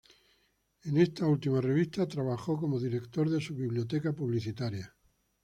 En esta última revista desempeñó como director de su Biblioteca Publicitaria.